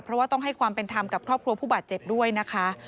เพราะว่าต้องให้ความเป็นธรรมกับครอบครัวผู้บาดเจ็บด้วยนะคะ